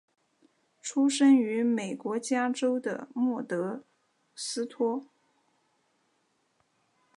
出生于美国加州的莫德斯托。